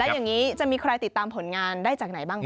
อย่างนี้จะมีใครติดตามผลงานได้จากไหนบ้างคะ